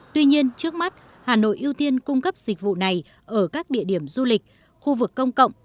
tuy nhiên trước mắt hà nội ưu tiên cung cấp dịch vụ này ở các địa điểm du lịch khu vực công cộng